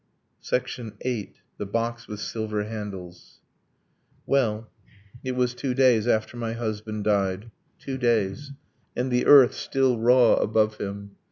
VIII. THE BOX WITH SILVER HANDLES Well, it was two days after my husband died Two days! And the earth still raw above him.